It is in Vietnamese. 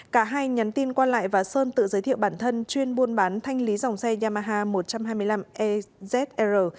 cả hai nhắn tin qua lại và sơn tự giới thiệu bản thân chuyên buôn bán thanh lý dòng xe yamaha một trăm hai mươi năm ezr